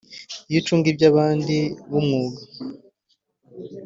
iyo ucunga iby abandi w umwuga